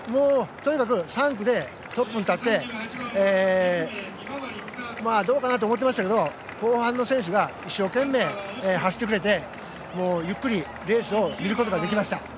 とにかく３区でトップに立ってどうかなと思ってましたけど後半の選手が一生懸命走ってくれてゆっくりレースを見ることができました。